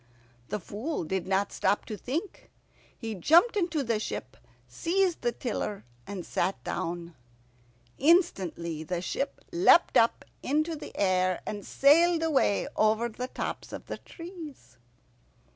The Fool did not stop to think. He jumped into the ship, seized the tiller, and sat down. Instantly the ship leapt up into the air, and sailed away over the tops of the trees.